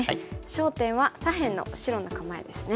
焦点は左辺の白の構えですね。